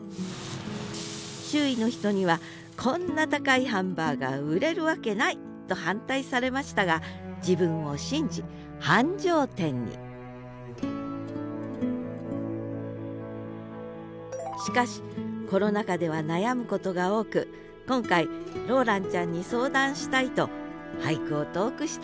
周囲の人には「こんな高いハンバーガー売れるわけない！」と反対されましたが自分を信じ繁盛店にしかしコロナ禍では悩むことが多く今回ローランちゃんに相談したいと俳句を投句したんだ